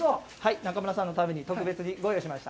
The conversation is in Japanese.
中丸さんのために特別にご用意しました。